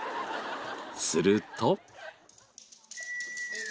すると。